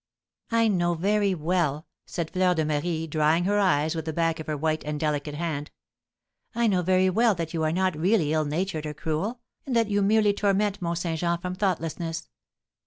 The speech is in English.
"I know very well," said Fleur de Marie, drying her eyes with the back of her white and delicate hand, "I know very well that you are not really ill natured or cruel, and that you merely torment Mont Saint Jean from thoughtlessness.